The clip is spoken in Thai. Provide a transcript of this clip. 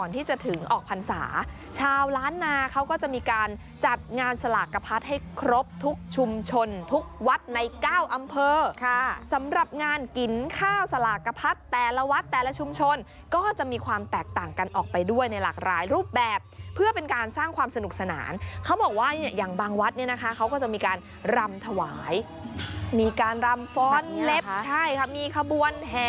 ที่จะถึงออกพรรษาชาวล้านนาเขาก็จะมีการจัดงานสลากกระพัดให้ครบทุกชุมชนทุกวัดในเก้าอำเภอสำหรับงานกินข้าวสลากกระพัดแต่ละวัดแต่ละชุมชนก็จะมีความแตกต่างกันออกไปด้วยในหลากหลายรูปแบบเพื่อเป็นการสร้างความสนุกสนานเขาบอกว่าอย่างบางวัดเนี่ยนะคะเขาก็จะมีการรำถวายมีการรำฟ้อนเล็บใช่ค่ะมีขบวนแห่